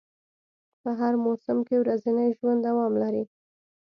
په هر موسم کې ورځنی ژوند دوام لري